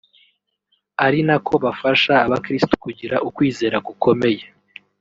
ari nako bafasha abakristu kugira ukwizera gukomeye